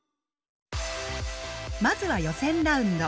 まずは予選ラウンド。